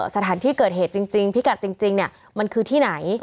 สถานที่เกิดเหตุจริงพิกัดจริงมันคือที่ไหน